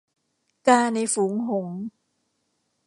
กาในฝูงหงส์